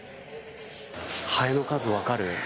ハエの数分かる。